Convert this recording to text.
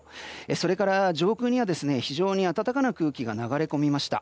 それから上空には非常に暖かな空気が流れ込みました。